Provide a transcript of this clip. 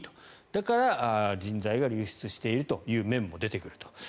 だから人材が流出しているという面も出てくると。